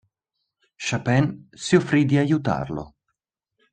Chapin si offrì di aiutarlo.